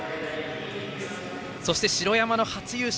そして、城山の初優勝。